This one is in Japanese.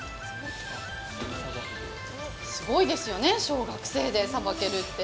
すごいですよね、小学生でさばけるって。